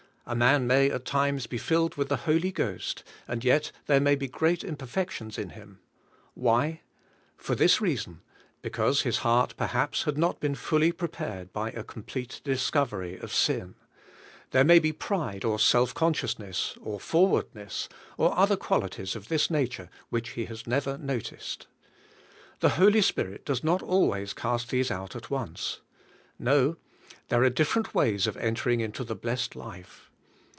A man may at times be filled with the Holy Ghost, and yet there may be great imperfections in him. Why? For this reason: because his heart, perhaps, had not been fully prepared by a complete discovery of sin. There DEAD WITH CHRIST 121 may be pride, or self consciousness, or forward ness, or other qualities of this nature which he has never noticed. The Holy Spirit does not always cast these out at once. No. There are different ways of entering into the blessed life.